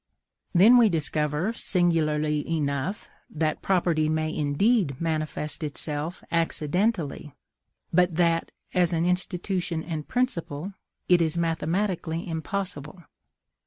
Then we discover, singularly enough, that property may indeed manifest itself accidentally; but that, as an institution and principle, it is mathematically impossible.